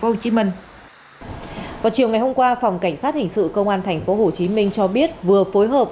vào chiều ngày hôm qua phòng cảnh sát hình sự công an tp hcm cho biết vừa phối hợp